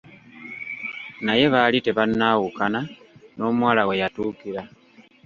Naye baali tebannaawukana, n'omuwala weyatuukira.